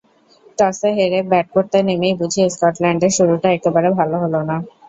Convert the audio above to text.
টসে হেরে ব্যাট করতে নেমেই বুঝি স্কটল্যান্ডের শুরুটা একেবারে ভালো হলো না।